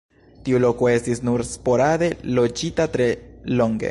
Tiu loko estis nur sporade loĝita tre longe.